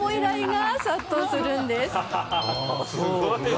すごいな。